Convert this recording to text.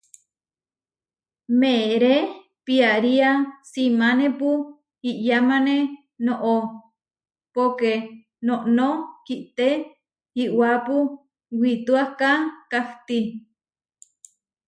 Meeré piaría simánepu iʼyamáne noʼó, póke noʼnó kité iʼwápu wituáka kahtí.